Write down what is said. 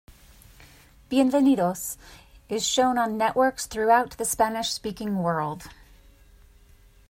"Bienvenidos" is shown on networks throughout the Spanish-speaking world.